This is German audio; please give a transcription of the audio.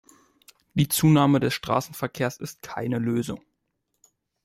Die Zunahme des Straßenverkehrs ist keine Lösung.